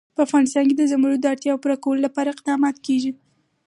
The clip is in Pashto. په افغانستان کې د زمرد د اړتیاوو پوره کولو لپاره اقدامات کېږي.